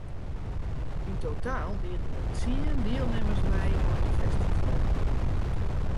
Yn totaal diene der tsien dielnimmers mei oan it festival.